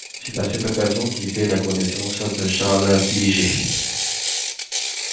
C'est à cette occasion qu'il fait la connaisance de Charles Filiger.